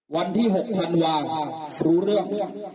วันที่๖ธันวารู้เรื่อง